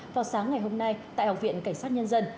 vào sáng ngày hôm nay tại học viện cảnh sát nhân dân